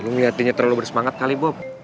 lu ngeliatin terlalu bersemangat kali bob